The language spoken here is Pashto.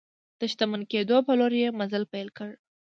د شتمن کېدو په لور یې مزل پیل کړ.